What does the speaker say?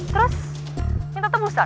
terus minta tebusan